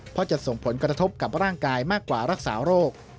เพราะจะส่งผลกระทบกับร่างกายมากกว่ารักษาโรค